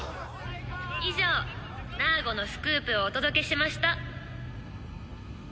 「以上ナーゴのスクープをお届けしました」